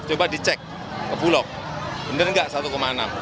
coba dicek ke bulog benar nggak satu enam